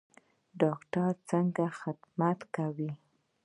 ډاکټران څنګه خدمت کوي؟